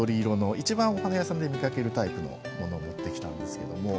いちばんお花屋さんで見かけるタイプのものを持ってきました。